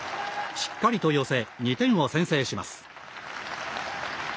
しっかりと寄せ２点を先制します。